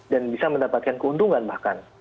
dan bisa mendapatkan keuntungan bahkan